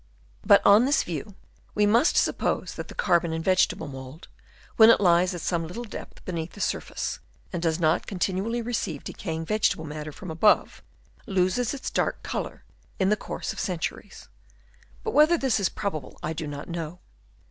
But on this view we must suppose that the carbon in vegetable mould, when it lies at some little depth beneath the surface and does not con tinually receive decaying vegetable matter M 2 150 AMOUNT OF EARTH Chap. III. from above, loses its dark colour in the course of centuries ; but whether this is probable I do not know.